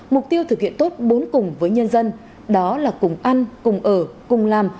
mục tiêu thực hiện tốt bốn cùng với nhân dân đó là cùng ăn cùng ở cùng làm